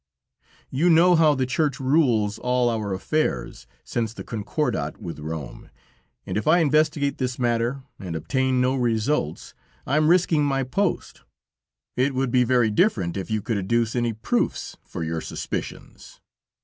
You know how the Church rules all our affairs since the Concordat with Rome, and if I investigate this matter, and obtain no results, I am risking my post. It would be very different if you could adduce any proofs for your suspicions.